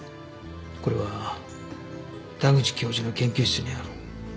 これは田口教授の研究室にある。